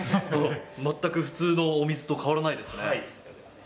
全く普通のお水と変わらないですね。